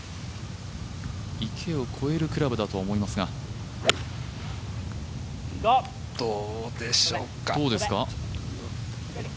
池を越えるグラブだと思いますが、どうですか？